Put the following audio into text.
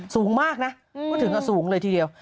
สูงมากนะพูดถึงก็สูงเลยทีเดียว